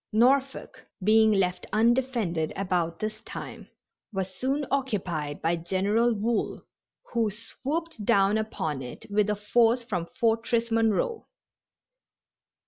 Norfolk, being left undefended about this time, was soon occupied by General Wool, who swooped down upon it with a force from Fortress Monroe.